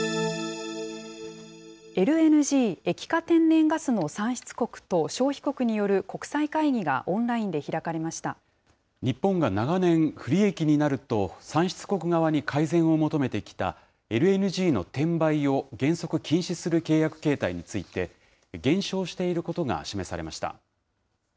ＬＮＧ・液化天然ガスの産出国と消費国による国際会議がオンライ日本が長年、不利益になると産出国側に改善を求めてきたＬＮＧの転売を原則禁止する契約形態について、減少していることが示されました。